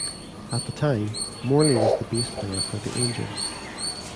At the time, Morley was the Bass Player for "The Angels".